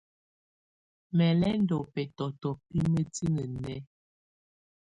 Mɛ̀ lɛ̀ ndù bɛtɔtɔ bɛ mǝtinǝ́ nɛ̀á.